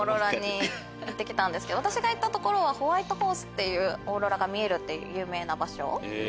私が行った所はホワイトホースっていうオーロラが見れる有名な場所。